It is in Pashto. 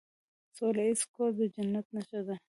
سوله ایز کور د جنت نښه ده.